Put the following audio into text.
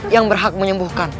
yang berhak menyembuhkan